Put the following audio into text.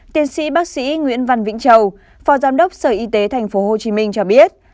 tiến sĩ bác sĩ nguyễn văn vĩnh châu phó giám đốc sở y tế tp hcm cho biết